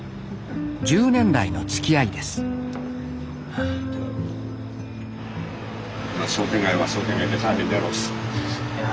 １０年来のつきあいですいや